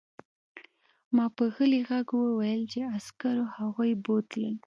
ما په غلي غږ وویل چې عسکرو هغوی بوتلل